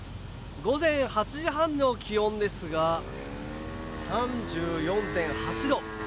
午前８時半の気温ですが、３４．８度。